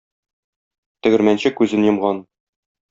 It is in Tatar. Тегермәнче күзен йомган.